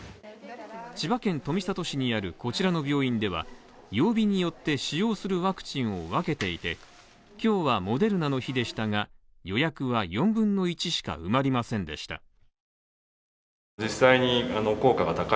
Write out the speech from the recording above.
千葉県富里市にあるこちらの病院では、曜日によって使用するワクチンを分けていて、今日はモデルナの日でしたが予約は４分の１しか埋まりませんでした。